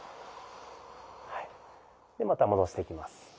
でまた戻していきます。